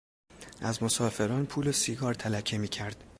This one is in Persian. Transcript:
از مسافران پول و سیگار تلکه میکرد.